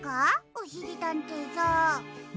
おしりたんていさん。